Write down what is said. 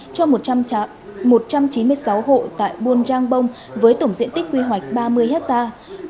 cho một trăm chín mươi sáu hộ tại buôn giang bông với tổng diện tích quy hoạch ba mươi hectare